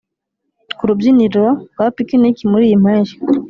ku rubyiniro rwa picnic muriyi mpeshyi,